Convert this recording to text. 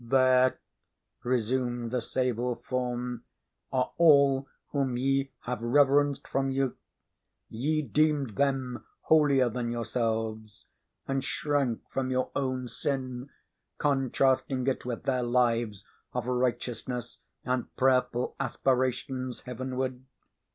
"There," resumed the sable form, "are all whom ye have reverenced from youth. Ye deemed them holier than yourselves, and shrank from your own sin, contrasting it with their lives of righteousness and prayerful aspirations heavenward.